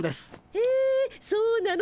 へえそうなの？